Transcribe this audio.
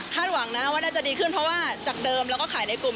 หวังนะว่าน่าจะดีขึ้นเพราะว่าจากเดิมเราก็ขายในกลุ่ม